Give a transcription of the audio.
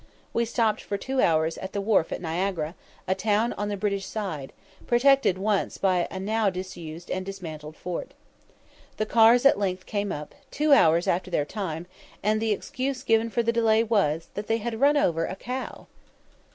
We stopped for two hours at the wharf at Niagara, a town on the British side, protected once by a now disused and dismantled fort. The cars at length came up, two hours after their time, and the excuse given for the delay was, that they had run over a cow!